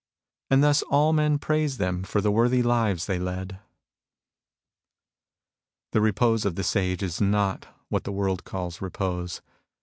And thus all men praised them for the worthy lives they led. The repose of the Sage is not what the world calls repose.